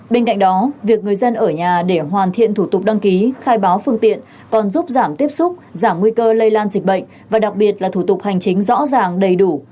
bên cạnh đó việc người dân ở nhà để hoàn thiện thủ tục đăng ký khai báo phương tiện còn giúp giảm tiếp xúc giảm nguy cơ lây lan dịch bệnh và đặc biệt là thủ tục hành chính rõ ràng đầy đủ